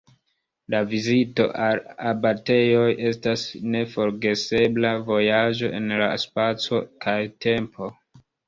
La vizito al abatejoj estas neforgesebla vojaĝo en la spaco kaj tempo.